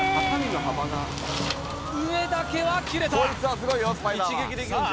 上だけは切れたさあ